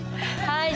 はい。